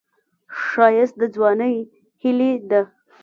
ښایست د ځوانۍ هیلې ده